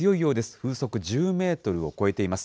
風速１０メートルを超えています。